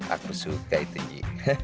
aku suka itu ji